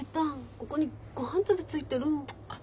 ここにごはん粒ついてる。